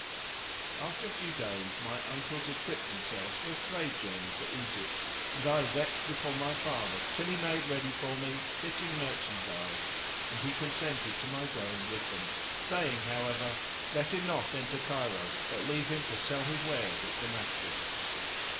After a few days my uncles equipped themselves for a trade journey to Egypt; and I wept before my father till he made ready for me fitting merchandise, and he consented to my going with them, saying however, "Let him not enter Cairo, but leave him to sell his wares at Damascus."